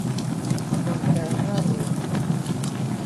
หนึ่งแสนห้าหมื่น